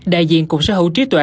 đại diện cục sở hữu trí tuệ